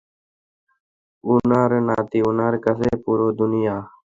উনার নাতি উনার কাছে পুরো দুনিয়া।